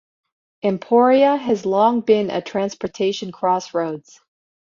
Emporia has long been a transportation crossroads.